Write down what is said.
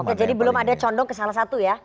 oke jadi belum ada condong ke salah satu ya